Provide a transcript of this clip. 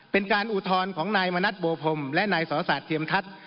เป็นการอุทธรณ์ของนายมณัฐโบพรมและนายศาสตร์เทียมทัศน์